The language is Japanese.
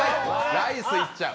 ライスいっちゃう。